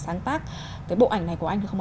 sáng tác cái bộ ảnh này của anh được không ạ